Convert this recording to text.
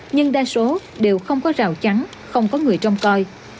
nhưng đa số đều không có rào trắng không có người trong coi